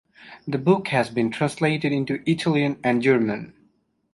The book has been translated into Italian and German.